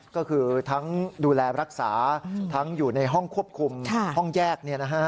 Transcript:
ก็คือทั้งดูแลรักษาทั้งอยู่ในห้องควบคุมห้องแยก